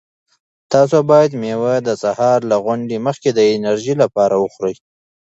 تاسو باید مېوې د سهار له غونډو مخکې د انرژۍ لپاره وخورئ.